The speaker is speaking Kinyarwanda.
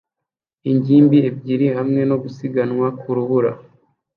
ingimbi ebyiri hamwe no gusiganwa ku rubura